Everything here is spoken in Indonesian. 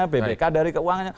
bpk dari keuangan